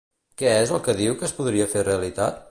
Què és el que diu que es podria fer realitat?